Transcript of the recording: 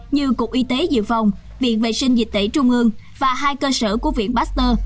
như cục y tế dự phòng viện vệ sinh dịch tễ trung ương và hai cơ sở của viện pasteur